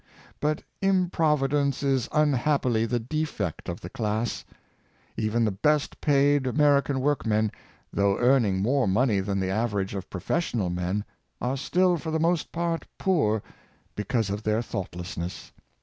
But improvidence is unhappily the defect of the class. Even the best paid American workmen, though earning more mone}' than the average of professional men, are still for the most part poor because of their thoughtlessness.